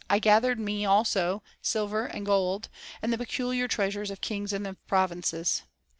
I gathered me also silver and gold, and the peculiar treas ure of kings and of the provinces.